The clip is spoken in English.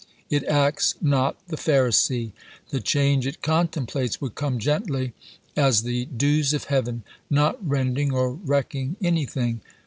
It acts not the Pharisee. The change it contemplates would come gently as the dews of heaven — not rending or wrecking any thing.